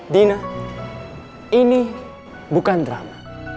dina ini bukan drama